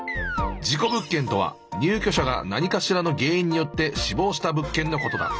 事故物件とは入居者が何かしらの原因によって死亡した物件のことだ。